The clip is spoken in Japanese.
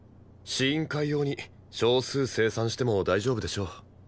試飲会用に少数生産しても大丈夫でしょう。